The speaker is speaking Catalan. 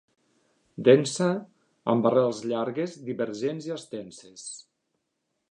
Densa, amb rels llargues, divergents i extenses.